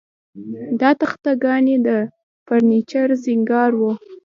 دا تخته ګانې د فرنیچر سینګار و